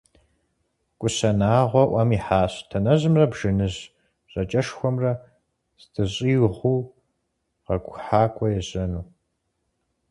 КӀущэ Нагъуэ Ӏуэм ихьащ Танэжьымрэ Бжэныжь ЖьакӀэшхуэмрэ здыщӀигъуу къэкӀухьакӀуэ ежьэну.